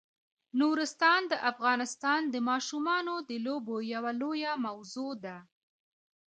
نورستان د افغانستان د ماشومانو د لوبو یوه لویه موضوع ده.